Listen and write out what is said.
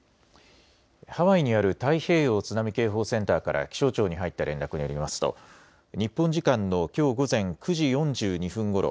ハワイにある太平洋津波警報センターから気象庁に入った連絡によりますと日本時間のきょう午前９時４２分ごろ